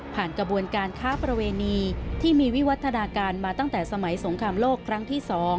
กระบวนการค้าประเวณีที่มีวิวัฒนาการมาตั้งแต่สมัยสงครามโลกครั้งที่๒